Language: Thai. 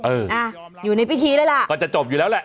เอออ่ะอยู่ในพิธีแล้วล่ะก็จะจบอยู่แล้วแหละ